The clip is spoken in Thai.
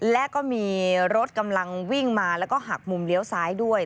และก็มีรถกำลังวิ่งมาแล้วก็หักมุมเลี้ยวซ้ายด้วย